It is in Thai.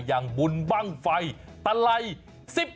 อย่างบุญบ้างไฟตะไล๑๖